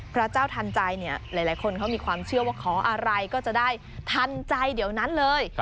พระเจ้าทันใจเนี่ยหลายคนเขามีความเชื่อว่าขออะไรก็จะได้ทันใจเดี๋ยวนั้นเลย